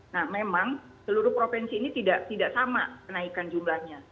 nah memang seluruh provinsi ini tidak sama kenaikan jumlahnya